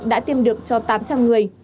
đã tiêm được cho tám trăm linh người